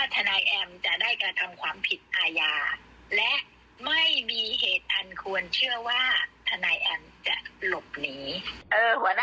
แต่ละครั้งห่างกัน๓๐วัน